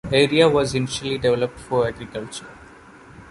The area was initially developed for agriculture.